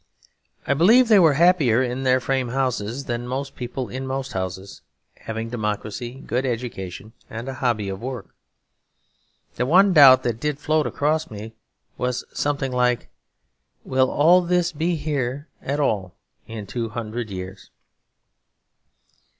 I believe they were happier in their frame houses than most people in most houses; having democracy, good education, and a hobby of work; the one doubt that did float across me was something like, 'Will all this be here at all in two hundred years?'